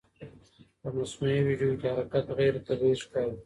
په مصنوعي ویډیو کې حرکت غیر طبیعي ښکاري.